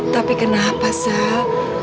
tapi kenapa sal